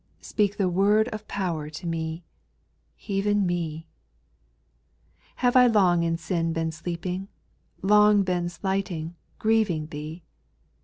Speak the word of power to me, — Even me, 5. Have I long in sin been sleeping — Long been slighting, grieving Thee